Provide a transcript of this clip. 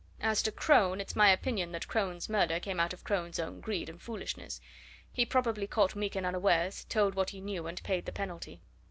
As to Crone it's my opinion that Crone's murder came out of Crone's own greed and foolishness; he probably caught Meekin unawares, told what he knew, and paid the penalty."